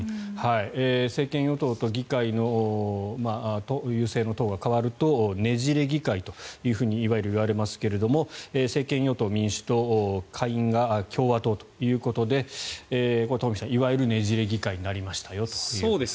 政権与党と議会の優勢の党が変わるとねじれ議会というふうにいわれますが政権与党、民主党下院が共和党ということでこれはトンフィさん、いわゆるねじれ議会になりましたよと。